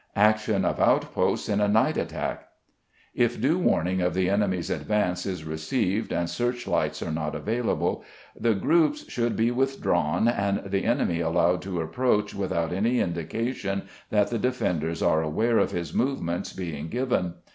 Action of Outposts in a Night Attack. If due warning of the enemy's advance is received and searchlights are not available, the groups should be withdrawn, and the enemy allowed to approach without any indication that the defenders are aware of his movement being given.